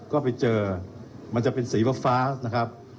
ก็ไปเจอมันจะเป็นสีฟ้านะครับ